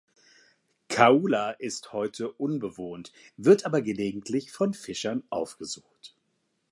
Kaʻula ist heute unbewohnt, wird aber gelegentlich von Fischern aufgesucht.